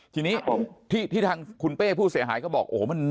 ทีนี้ที่ทางคุณเป้ผู้เสียหายก็บอก